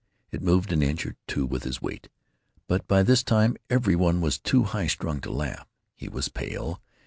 It moved an inch or two with his weight, but by this time every one was too high strung to laugh. He was pale.